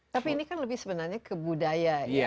tapi ini kan lebih sebenarnya ke budaya ya